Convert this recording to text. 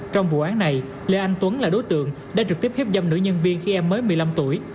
trong vụ án này lê anh tuấn là đối tượng đã trực tiếp hiếp dâm nữ nhân viên khi em mới một mươi năm tuổi